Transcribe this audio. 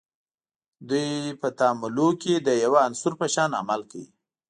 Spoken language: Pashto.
دوی په تعاملونو کې د یوه عنصر په شان عمل کوي.